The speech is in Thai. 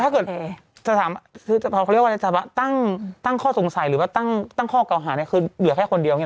เขาถึงเรื่องว่าตั้งข้อตรงใสหรือว่าตั้งข้อเคาร์หาเนี่ยคือเหลือแค่คนเดียว